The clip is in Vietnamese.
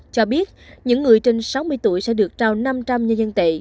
cho biết những người trên sáu mươi tuổi sẽ được trao năm trăm linh nhân dân tệ